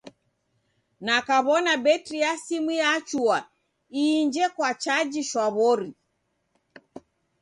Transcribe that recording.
Na kaw'ona betri ya simu yachua, iinje kwa chaji shwaw'ori.